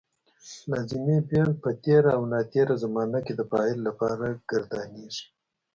لازمي فعل په تېره او ناتېره زمانه کې د فاعل لپاره ګردانیږي.